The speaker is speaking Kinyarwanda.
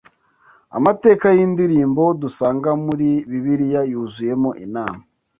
Amateka y’indirimbo dusanga muri Bibiliya yuzuyemo inama